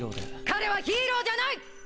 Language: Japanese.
彼はヒーローじゃない！